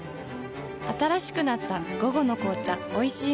新しくなった「午後の紅茶おいしい無糖」